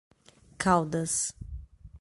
Caldas